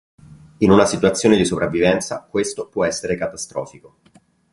In una situazione di sopravvivenza, questo può essere catastrofico.